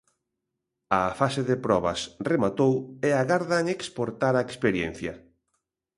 A fase de probas rematou e agardan exportar a experiencia.